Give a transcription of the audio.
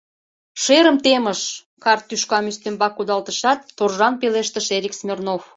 — Шерым темыш! — карт тӱшкам ӱстембак кудалтышат, торжан пелештыш Эрик Смирнов.